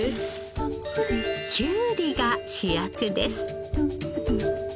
「きゅうり」が主役です。